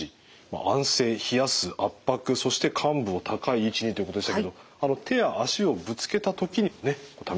安静冷やす圧迫そして患部を高い位置にということでしたけど手や足をぶつけた時にはね試してみてください。